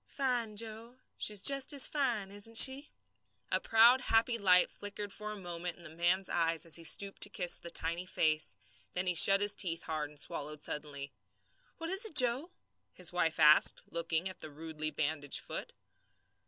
"Fine, Joe. She's just as fine, isn't she?" A proud, happy light flickered for a moment in the man's eyes as he stooped to kiss the tiny face; then he shut his teeth hard and swallowed suddenly. "What is it, Joe?" his wife asked, looking at the rudely bandaged foot.